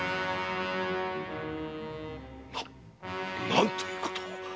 何ということを。